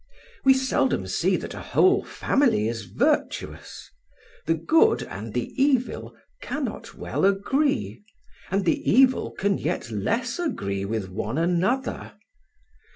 We seldom see that a whole family is virtuous; the good and the evil cannot well agree, and the evil can yet less agree with one another.